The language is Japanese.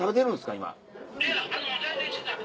今。